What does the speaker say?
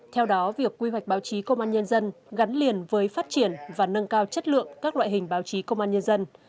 theo đó việc quy hoạch báo chí công an nhân dân gắn liền với phát triển và nâng cao chất lượng các loại hình báo chí công an nhân dân